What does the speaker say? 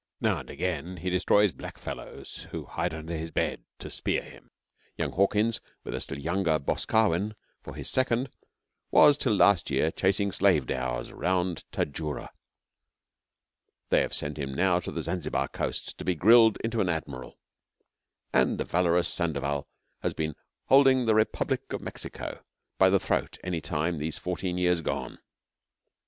Now and again he destroys black fellows who hide under his bed to spear him. Young Hawkins, with a still younger Boscawen for his second, was till last year chasing slave dhows round Tajurrah; they have sent him now to the Zanzibar coast to be grilled into an admiral; and the valorous Sandoval has been holding the 'Republic' of Mexico by the throat any time these fourteen years gone.